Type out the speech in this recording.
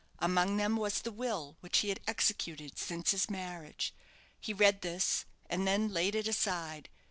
Among them was the will which he had executed since his marriage. He read this, and then laid it aside.